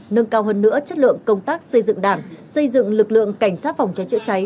nâng cao hơn nữa chất lượng công tác xây dựng đảng xây dựng lực lượng cảnh sát phòng cháy chữa cháy